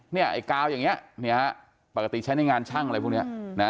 ไอ้กาวอย่างนี้ปกติใช้ในงานช่างอะไรพวกนี้นะ